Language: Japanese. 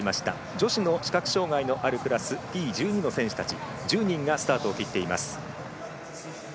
女子の視覚障がいのあるクラスＴ１２の選手たちがスタートを切っています。